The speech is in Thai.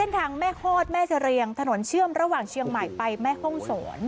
ทางแม่ฮอดแม่เสรียงถนนเชื่อมระหว่างเชียงใหม่ไปแม่ห้องศร